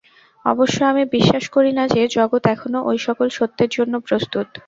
অবশ্য আমি বিশ্বাস করি না যে, জগৎ এখনও ঐ-সকল সত্যের জন্য প্রস্তুত।